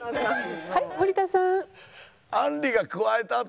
はい森田さん。